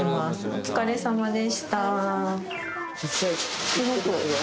お疲れさまでした。